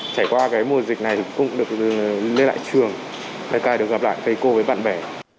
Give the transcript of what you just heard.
trải qua cái mùa dịch này cũng được lên lại trường được gặp lại thầy cô với bạn bè